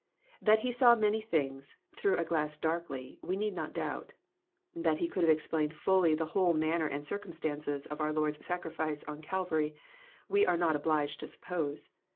That he saw many things, through a glass darkly, we need not doubt. That he could have explained fully the whole manner and cir* cumstances of our Lord's sacrifice on Calvary, we are not obliged to suppose.